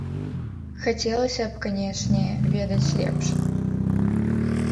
Хацелася б, канечне, ведаць лепш.